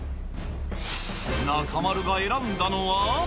中丸が選んだのは。